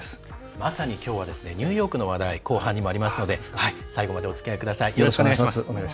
まさに、きょうはニューヨークの話題後半にもありますので最後まで、おつきあいください。